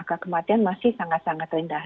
angka kematian masih sangat sangat rendah